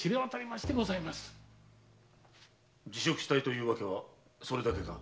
辞職したいという訳はそれだけか？